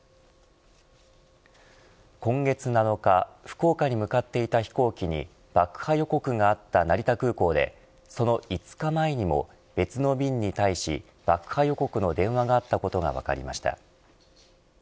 今月７日福岡に向かっていた飛行機に爆破予告があった成田空港でその５日前にも別の便に対し爆破予告の電話があったことが分かりました。